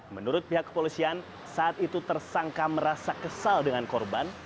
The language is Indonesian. menurut pihak kepolisian saat itu tersangka merasa kesal dengan korban